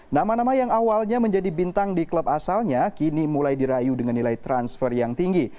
nama nama yang awalnya menjadi bintang di klub asalnya kini mulai dirayu dengan nilai transfer yang tinggi